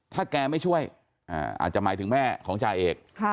ถ้าแกไม่ช่วยอาจจะหมายถึงแม่ของจ่าเอก